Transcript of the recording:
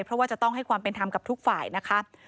เพราะว่าจะต้องให้ความเป็นธรรมกับทุกฝ่ายนะคะ